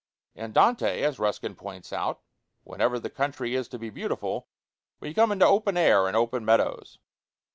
In Dante, as Ruskin points out, whenever the country is to be beautiful, we come into open air and open meadows.